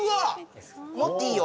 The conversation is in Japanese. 持っていいよ。